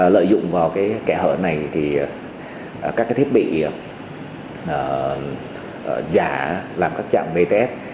lợi dụng vào kẻ hở này thì các thiết bị giả làm các trạm bts